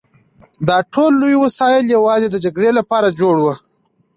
دا ټول لوی وسایل یوازې د جګړې لپاره جوړ وو